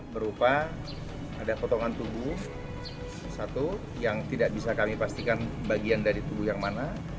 berupa ada potongan tubuh satu yang tidak bisa kami pastikan bagian dari tubuh yang mana